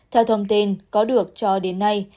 theo thông tin có được cho đến nay